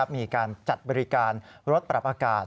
มีการจัดบริการรถปรับอากาศ